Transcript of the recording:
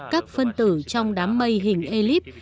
các phân tử trong đám mây hình ellipse